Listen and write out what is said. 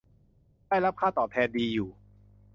ได้รับค่าตอบแทนดีอยู่